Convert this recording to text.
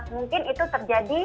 mungkin itu terjadi